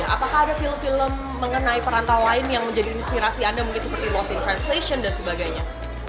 apakah ada film film mengenai perantau lain yang menjadi inspirasi anda mungkin seperti was inveslation dan sebagainya